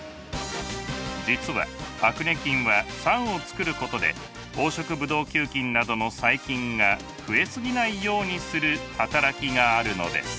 実はアクネ菌は酸をつくることで黄色ブドウ球菌などの細菌が増え過ぎないようにする働きがあるのです。